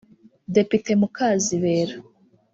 Depite Mukazibera